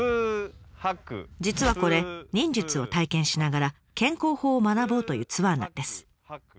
実はこれ忍術を体験しながら健康法を学ぼうというツアーなんです。